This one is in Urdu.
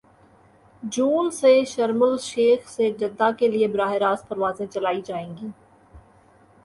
جون سے شرم الشیخ سے جدہ کے لیے براہ راست پروازیں چلائی جائیں گی